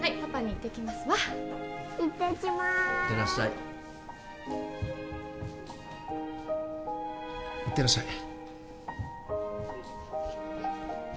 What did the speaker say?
行ってらっしゃい